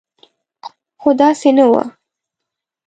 خو داسې نه وه.